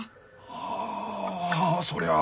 はあそりゃあ。